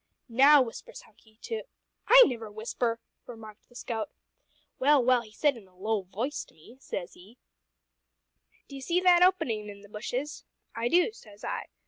"`Now,' whispers Hunky to " "I never whisper!" remarked the scout. "Well, well; he said, in a low v'ice to me, says he, `d'ye see that openin' in the bushes?' `I do,' says I.